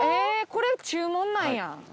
これ中門なんや。